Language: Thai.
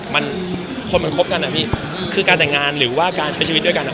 มันคนมันคบกันอ่ะพี่คือการแต่งงานหรือว่าการใช้ชีวิตด้วยกันอ่ะ